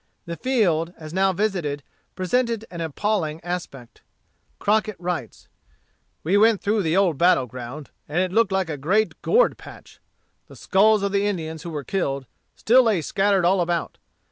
The field, as now visited, presented an appalling aspect. Crockett writes: "We went through the old battle ground, and it looked like a great gourd patch. The skulls of the Indians who were killed, still lay scattered all about.